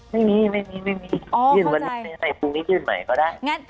ไม่มีไม่มียื่นวันนี้ให้พรุ่งนี้ยื่นใหม่ก็ได้